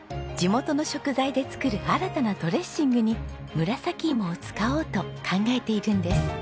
地元の食材で作る新たなドレッシングに紫芋を使おうと考えているんです。